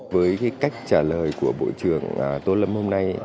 với cách trả lời của bộ trưởng tô lâm hôm nay